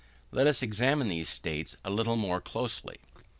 Let us examine these states a little more closely.